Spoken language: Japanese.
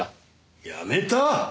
やめた！？